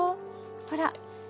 ほら。